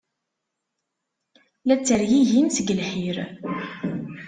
La ttergigin seg lḥir.